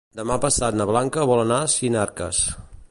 Demà passat na Blanca vol anar a Sinarques.